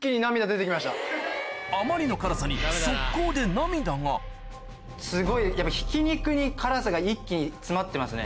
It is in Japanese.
あまりの辛さに即行で涙がすごいやっぱひき肉に辛さが一気に詰まってますね。